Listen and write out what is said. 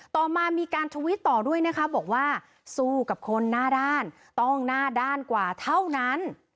ต่อมามีการทวิตต่อด้วยนะคะบอกว่าสู้กับคนหน้าด้านต้องหน้าด้านกว่าเท่านั้น